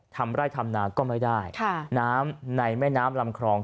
ทำไร่ทำนาก็ไม่ได้ค่ะน้ำในแม่น้ำลำคลอง